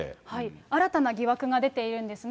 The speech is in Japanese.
新たな疑惑が出ているんですね。